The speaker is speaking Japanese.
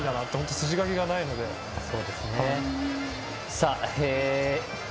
筋書きがないので。